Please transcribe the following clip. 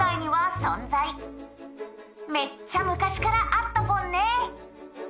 「めっちゃ昔からあったフォンね」